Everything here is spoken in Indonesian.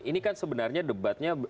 ini kan sebenarnya debatnya